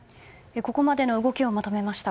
ここまでの動きをまとめました。